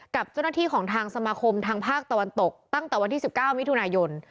กับเจ้าหน้าที่ของทางสมาคมทางภาคตะวันตกตั้งแต่วันที่๑๙มิถุนายน